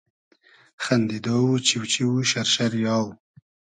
خئندیدۉ و چیو چیو و شئر شئری آو